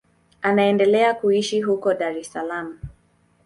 Anaendelea kuishi huko Dar es Salaam.